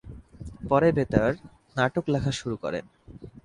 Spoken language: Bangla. পরে বেতার নাটক লেখা শুরু করেন।